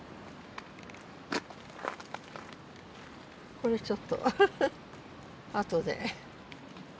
これちょっと後で。